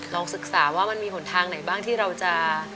ลองศึกษาว่ามันมีหนทางไหนบ้างที่เราจะ